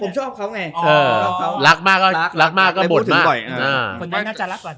คุณชอบเขาไงรักมากก็บดมาก